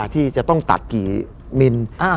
ที่จะต้องตัดกี่มิล